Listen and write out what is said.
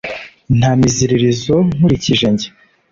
Nta miziririzo nkurikije njye :